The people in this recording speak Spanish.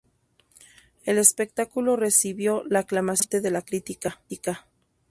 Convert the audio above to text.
El espectáculo recibió la aclamación por parte de la crítica.